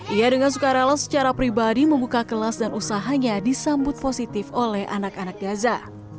ia dengan suka rela secara pribadi membuka kelas dan usahanya disambut positif oleh anak anak gaza